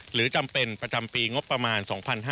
หรือจำเป็นประจำปีงบประมาณ๒๕๕๙